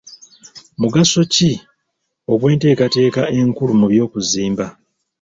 Mugaso ki ogw'enteekateeka enkulu mu by'okuzimba?